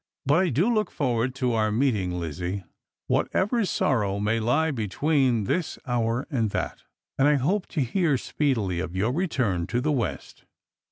But I do look fonvard to our meet ing, Lizzie ; whatever sorrow may he between this hour and that. And I hope to hear speedily of your return to the West."